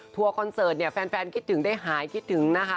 คอนเสิร์ตเนี่ยแฟนคิดถึงได้หายคิดถึงนะคะ